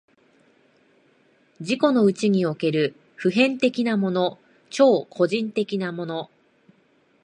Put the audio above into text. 自己のうちにおける普遍的なもの、超個人的なもの、